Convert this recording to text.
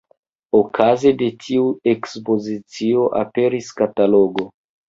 Okaze de tiu ekspozicio aperis katalogo.